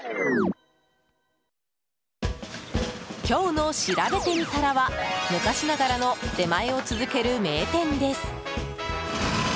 今日のしらべてみたらは昔ながらの出前を続ける名店です。